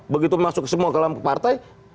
begitu masuk semua ke lampu partai